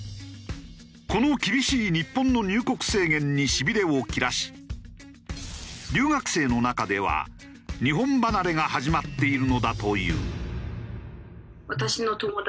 この厳しい日本の入国制限に痺れを切らし留学生の中では日本離れが始まっているのだという。